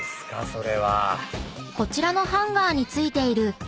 それは。